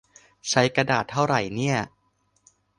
ใช้กระดาษเท่าไหร่เนี่ย -_